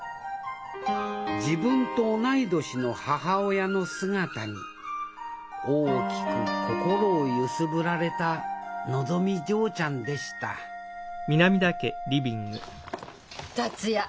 自分と同い年の母親の姿に大きく心を揺すぶられたのぞみ嬢ちゃんでした達也